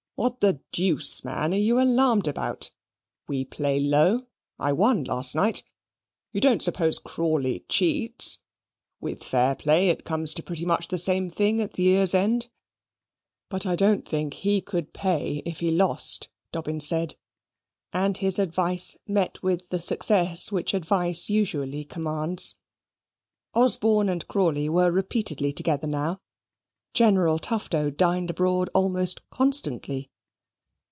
"What the deuce, man, are you alarmed about? We play low; I won last night. You don't suppose Crawley cheats? With fair play it comes to pretty much the same thing at the year's end." "But I don't think he could pay if he lost," Dobbin said; and his advice met with the success which advice usually commands. Osborne and Crawley were repeatedly together now. General Tufto dined abroad almost constantly.